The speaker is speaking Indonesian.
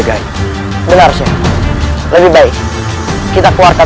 gaya benar lebih baik kita keluarkan